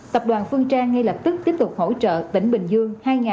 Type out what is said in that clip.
tập đoàn phương trang ngay lập tức tiếp tục hỗ trợ tỉnh bình dương